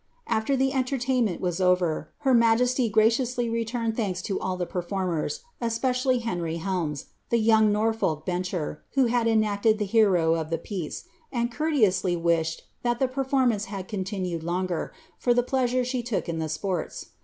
Afier ihe entertainment was over, her majesty graciously reiurued thanks lo all the performers, especially Henry Ilelmes, the young Nor folk bencher, who had enacted the hero of the piece, and courteouslr wished that the performance had continued longer,' for the pleasure she took in the sports.